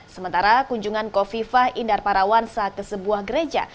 sementara kunjungan kofifa indar parawan saat ke sebuah gereja